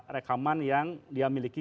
rekaman yang dia miliki